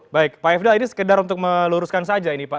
baik pak ifdal ini sekedar untuk meluruskan saja ini pak